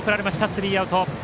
スリーアウト。